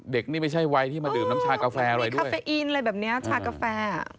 นี่ไม่ใช่วัยที่มาดื่มน้ำชากาแฟอะไรด้วยคาเฟอีนอะไรแบบเนี้ยชากาแฟอ่ะ